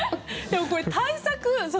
でもこれ、対策